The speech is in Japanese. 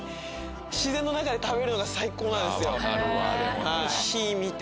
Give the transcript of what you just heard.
自然の中で食べるのが最高なんですよ。